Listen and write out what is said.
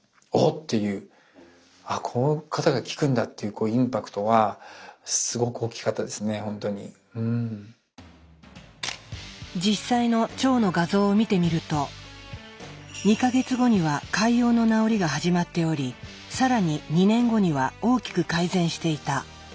ていうこの方が効くんだっていう実際の腸の画像を見てみると２か月後には潰瘍の治りが始まっており更に２年後には大きく改善していた。